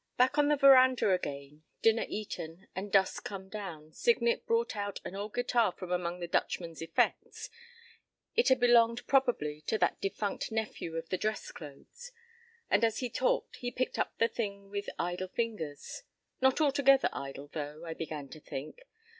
p> Back on the veranda again, dinner eaten, and dusk come down, Signet brought out an old guitar from among the Dutchman's effects (it had belonged probably to that defunct nephew of the dress clothes), and as he talked he picked at the thing with idle fingers. Not altogether idle, though, I began to think.